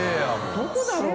どこだろう？